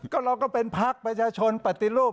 ก็เราก็เป็นพักประชาชนปฏิรูป